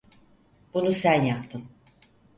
Bunu sen yaptın.